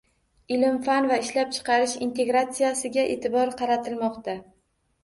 Ilm-fan va ishlab chiqarish integratsiyasiga e’tibor qaratilmoqda